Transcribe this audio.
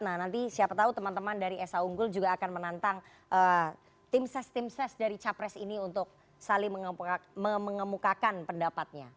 nah nanti siapa tahu teman teman dari esa unggul juga akan menantang tim ses tim ses dari capres ini untuk saling mengemukakan pendapatnya